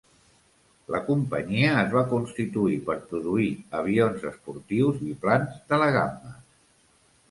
La companyia es va constituir per produir avions esportius biplans de la gamma.